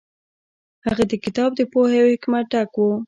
هغه کتاب د پوهې او حکمت ډک و.